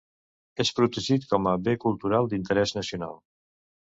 És protegit com a bé cultural d'interès nacional.